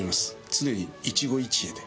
常に一期一会で。